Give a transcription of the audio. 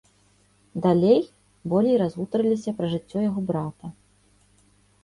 Далей, болей разгутарыліся пра жыццё яго брата.